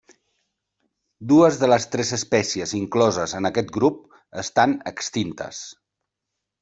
Dues de les tres espècies incloses en aquest grup estan extintes.